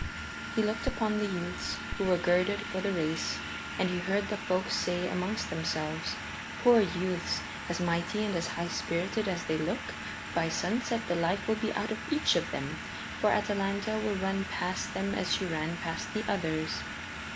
He looked upon the youths who were girded for the race, and he heard the folk say amongst themselves, "Poor youths, as mighty and as high spirited as they look, by sunset the life will be out of each of them, for Atalanta will run past them as she ran past the others."